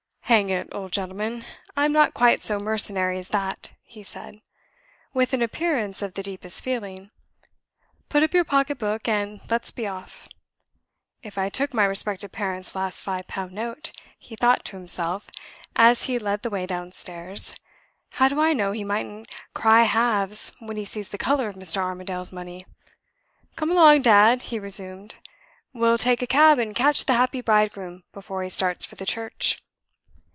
"Hang it, old gentleman, I'm not quite so mercenary as that!" he said, with an appearance of the deepest feeling. "Put up your pocket book, and let's be off." "If I took my respected parent's last five pound note," he thought to himself, as he led the way downstairs, "how do I know he mightn't cry halves when he sees the color of Mr. Armadale's money?" "Come along, dad!" he resumed. "We'll take a cab and catch the happy bridegroom before he starts for the church!"